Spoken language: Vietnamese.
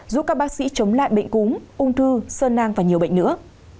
giúp các bác sĩ chống lại bệnh cúm ung thư sơn nang và nhiều bệnh nữa